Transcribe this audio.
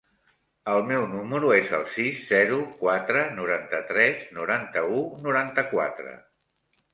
El meu número es el sis, zero, quatre, noranta-tres, noranta-u, noranta-quatre.